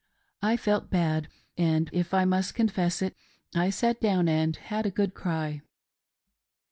I felt bad, and — if I must confess it — I sat down and had a good cry.